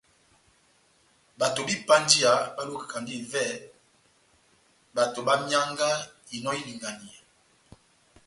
Bato bá ipanjiya bá lukakandi ivɛ bato bá mianga inò y'ilinganiya.